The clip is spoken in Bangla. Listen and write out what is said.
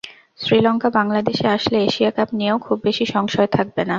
শ্রীলঙ্কা বাংলাদেশে আসলে এশিয়া কাপ নিয়েও খুব বেশি সংশয় থাকবে না।